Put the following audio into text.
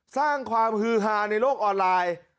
สร้างความฮือฮาในโลกออนไลน์